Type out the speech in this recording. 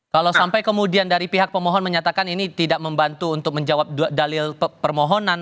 kalau sampai kemudian dari pihak pemohon menyatakan ini tidak membantu untuk menjawab dalil permohonan